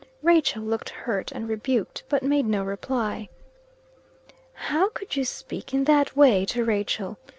Rachel looked hurt and rebuked, but made no reply. "How could you speak in that way to Rachel?"